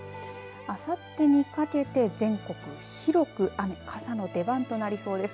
あさってにかけて全国広く雨傘の出番となりそうです。